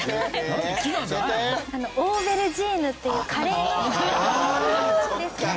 オーベルジーヌっていうカレーのお弁当なんですけど。